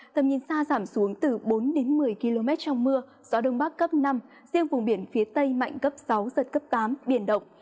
tầm nhìn xa giảm xuống từ bốn một mươi km trong mưa gió đông bắc cấp năm riêng vùng biển phía tây mạnh cấp sáu giật cấp tám biển động